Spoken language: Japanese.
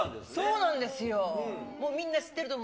そうなんですよ。